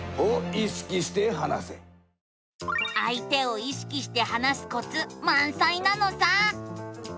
あい手を意識して話すコツまんさいなのさ。